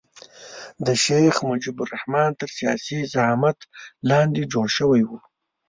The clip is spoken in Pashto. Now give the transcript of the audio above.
د شیخ مجیب الرحمن تر سیاسي زعامت لاندې جوړ شوی وو.